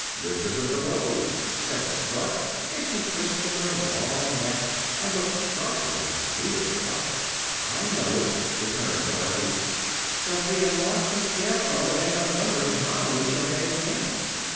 "This isn't the road," said the Stork, as she twisted her long neck and looked sharply at the queer party. "I know it," returned Dorothy, "but we have lost the Scarecrow, and are wondering how we shall get him again."